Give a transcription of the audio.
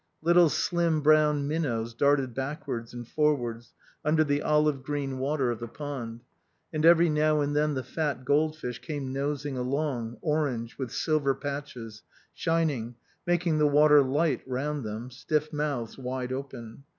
Little slim brown minnows darted backwards and forwards under the olive green water of the pond. And every now and then the fat goldfish came nosing along, orange, with silver patches, shining, making the water light round them, stiff mouths wide open.